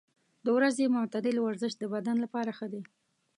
د ورځې معتدل ورزش د بدن لپاره ښه دی.